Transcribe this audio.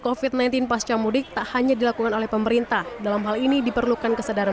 kofit sembilan belas pasca mudik tak hanya dilakukan oleh pemerintah dalam hal ini diperlukan kesadaran